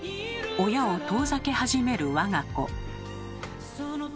親を遠ざけ始める我が子。